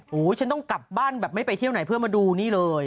โอ้โหฉันต้องกลับบ้านแบบไม่ไปเที่ยวไหนเพื่อมาดูนี่เลย